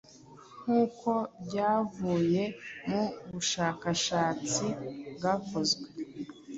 nkuko byavuye mu bushakashatsi bwakozwe